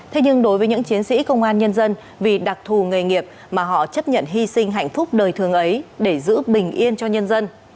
thế nhưng đối với những chiến sĩ công an nhân dân vì đặc thù nghề nghiệp mà họ chấp nhận hy sinh hạnh phúc đời thường ấy để giữ bình yên cho nhân dân